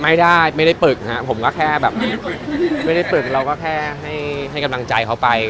ไม่ได้ไม่ได้ปรึกฮะผมก็แค่แบบไม่ได้ปรึกเราก็แค่ให้กำลังใจเขาไป